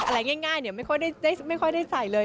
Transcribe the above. อะไรง่ายไม่ค่อยได้ใส่เลย